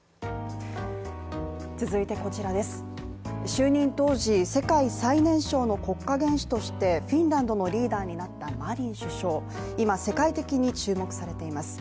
就任当時世界最年少の国家元首として、フィンランドのリーダーになったマリン首相、いま世界的に注目されています